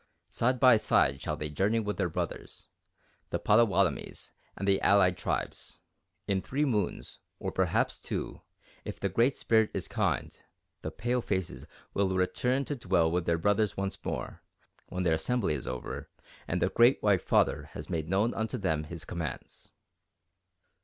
Side by side shall they journey with their brothers, the Pottawattomies and the allied tribes. In three moons, or perhaps two, if the Great Spirit is kind, the palefaces will return to dwell with their brothers once more, when their assembly is over and the Great White Father has made known unto them his commands."